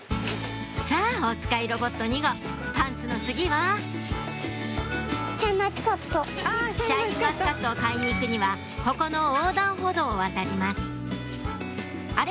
さぁおつかいロボット２号パンツの次はシャインマスカットを買いに行くにはここの横断歩道を渡りますあれ？